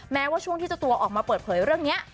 แม้ว่าช่วงที่เจ้าตัวออกมาเปิดเผยเรื่องนี้